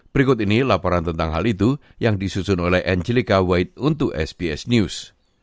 berikut ini laporan tentang hal itu yang disusun oleh anjilika white untuk sbs news